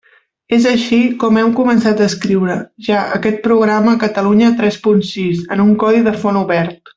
És així com hem començat a escriure ja aquest programa Catalunya tres punt sis, en un codi de font obert.